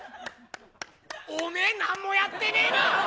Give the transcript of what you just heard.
お前何もやってねえな！